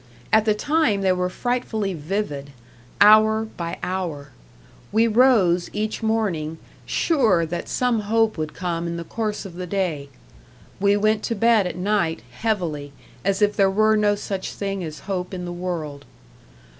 At the time they were frightfully vivid, hour by hour; we rose each morning, sure that some hope would come in the course of the day; we went to bed at night, heavily, as if there were no such thing as hope in the world.